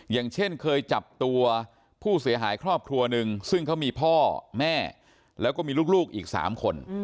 อย่างเช่นเคยจับตัวผู้เสียหายครอบครัวหนึ่งซึ่งเขามีพ่อแม่แล้วก็มีลูกอีก๓คน